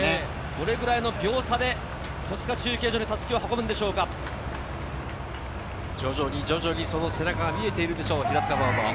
どのくらいの秒差で戸塚中継所に徐々にその背中が見えてるでしょうか？